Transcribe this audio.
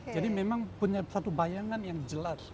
jadi memang punya satu bayangan yang jelas